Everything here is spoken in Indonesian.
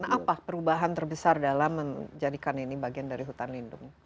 apa perubahan terbesar dalam menjadikan ini bagian dari hutan lindung